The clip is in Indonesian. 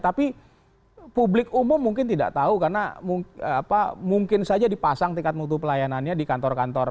tapi publik umum mungkin tidak tahu karena mungkin saja dipasang tingkat mutu pelayanannya di kantor kantor